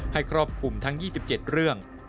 ครอบคลุมทั้ง๒๗เรื่อง